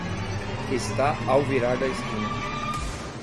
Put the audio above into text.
Está ao virar da esquina.